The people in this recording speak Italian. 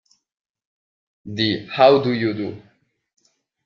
Di "How Do You Do!